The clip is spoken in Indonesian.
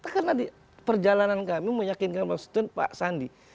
karena perjalanan kami meyakinkan oleh konstituen pak sandi